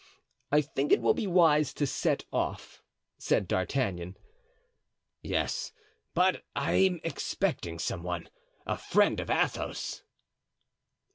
"I think it will be wise to set off," said D'Artagnan. "Yes; but I am expecting some one, a friend of Athos."